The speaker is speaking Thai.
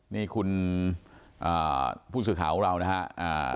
นี่คุณผู้สื่อข่าวของเรานะครับ